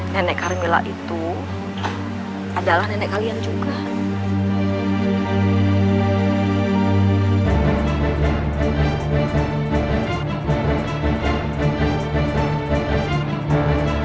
nenek carmila itu adalah nenek kalian juga